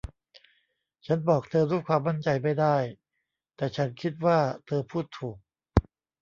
ฉันบอกเธอด้วยความมั่นใจไม่ได้ แต่ฉันคิดว่าเธอพูดถูก